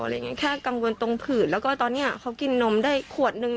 แค่กังวลตรงผืดแล้วก็ตอนเนี้ยเขากินนมได้ขวดนึง